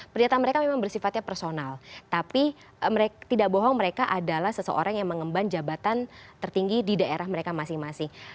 pernyataan mereka memang bersifatnya personal tapi tidak bohong mereka adalah seseorang yang mengemban jabatan tertinggi di daerah mereka masing masing